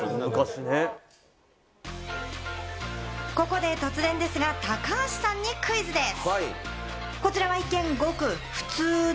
ここで突然ですが、高橋さんにクイズです。